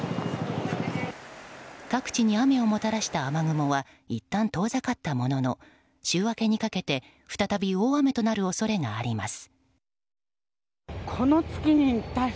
各地に雨をもたらした雨雲はいったん遠ざかったものの週明けにかけて再び大雨となる恐れがあります。